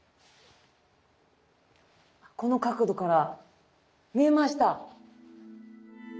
この角度から見えました。